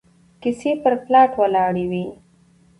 کيسې پر پلاټ ولاړې وي